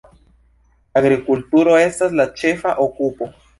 Agrikulturo estas la ĉefa okupo.